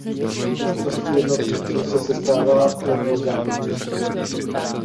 Mistrovství jednotlivců sestává ze dvou závodních dní.